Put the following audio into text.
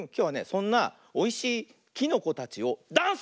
そんなおいしいきのこたちをダンスにしてみるよ。